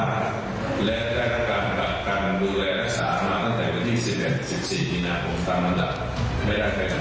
และการดูแลและสามารถตั้งแต่วันที่๑๑๑๔มีนาคมฝากประมาณละไม่ได้ใครใด